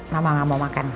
mama gak mau makan